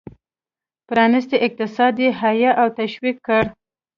پرانیستی اقتصاد یې حیه او تشویق کړ.